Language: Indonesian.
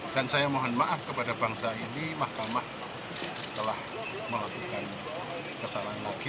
dan saya mohon maaf kepada bangsa ini mahkamah telah melakukan kesalahan lagi